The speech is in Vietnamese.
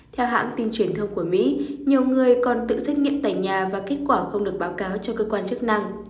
theo hãng tin truyền thông của mỹ nhiều người còn tự xét nghiệm tại nhà và kết quả không được báo cáo cho cơ quan chức năng